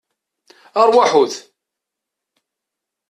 Arwaḥut!